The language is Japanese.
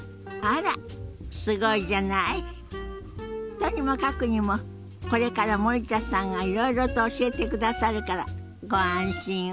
とにもかくにもこれから森田さんがいろいろと教えてくださるからご安心を。